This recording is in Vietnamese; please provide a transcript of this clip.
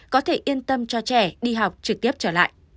có thể yên tâm cho trẻ đi học trực tiếp trở lại